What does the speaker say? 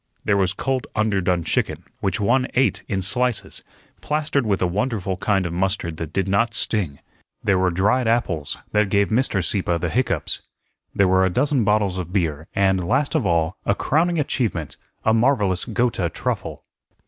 There was cold underdone chicken, which one ate in slices, plastered with a wonderful kind of mustard that did not sting. There were dried apples, that gave Mr. Sieppe the hiccoughs. There were a dozen bottles of beer, and, last of all, a crowning achievement, a marvellous Gotha truffle.